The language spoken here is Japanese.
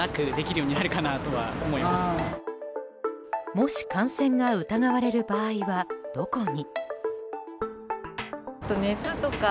もし感染が疑われる場合はどこに？